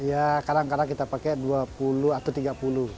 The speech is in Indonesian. ya kadang kadang kita pakai dua puluh atau tiga puluh